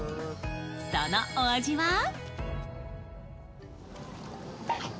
そのお味は？